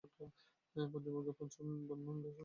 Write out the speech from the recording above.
পঞ্চম বর্গের পঞ্চম বর্ণ ম, তার পরে পঞ্চ অক্ষর ম-ধু-সূ-দ-ন।